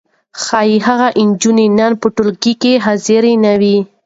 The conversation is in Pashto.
ښايي هغه نجلۍ نن په ټولګي کې حاضره نه وي.